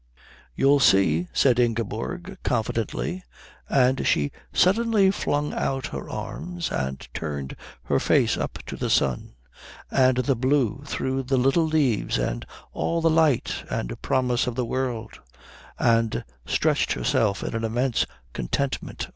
"You'll see," said Ingeborg confidently; and she suddenly flung out her arms and turned her face up to the sun and the blue through the little leaves and all the light and promise of the world, and stretched herself in an immense contentment.